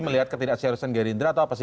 melihat ketidakseriusan gerindra atau apa sih